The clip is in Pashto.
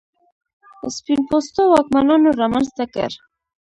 سپین پوستو واکمنانو رامنځته کړ.